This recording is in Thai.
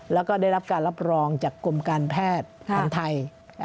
แล้วก็ได้รับการรับรองจากกรมการแพทย์ของไทย